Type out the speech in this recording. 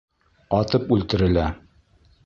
Атып үлтерелә.